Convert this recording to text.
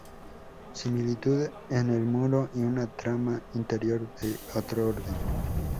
Similitud en el muro y una trama interior de otro orden.